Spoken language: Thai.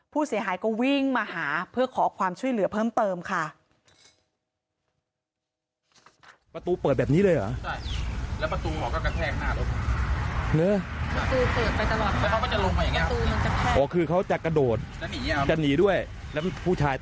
ผู้เสียหายก็วิ่งมาหาเพื่อขอความช่วยเหลือเพิ่มเติมค่ะ